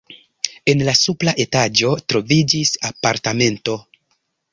En la supra etaĝo troviĝis apartamento.